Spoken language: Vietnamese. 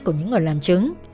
của những người làm chứng